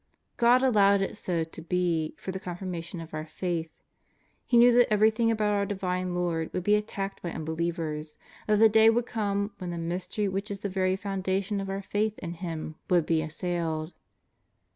God allowed it so to be for the confirmation of our faith. He knew that everything about our Divine Lord would be attacked by imbe lievers, that the day would come when the Mystery which is the very foundation of our faith in Him would be assailed.